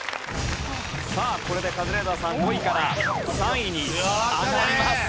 さあこれでカズレーザーさん５位から３位に上がります。